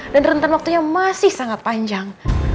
dan rentan waktunya masih sangat panjang